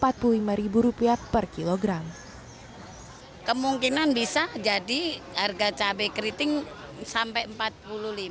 penjual cabai keriting benar benar menarik kepercayaan dan kemungkinan bisa jadi harga cabai keriting sampai rp empat puluh lima